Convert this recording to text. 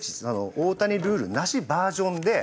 大谷ルールなしバージョンで考えました。